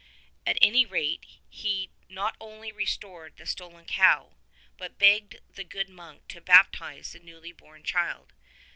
At any rate he not only restored the stolen cow, but begged the good monk to baptize the newly born child.